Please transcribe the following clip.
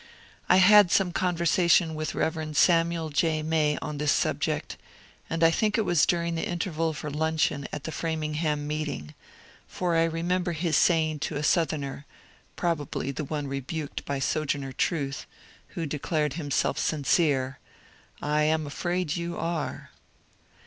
I had some conversation with Bev. Samuel J. May on this subject, and I think it was during the interval for luncheon at the Framingham meeting; for I remember his saying to a Southerner — probably the one rebuked by Sojourner Truth — who declared himself sincere, *^I am afraid you are."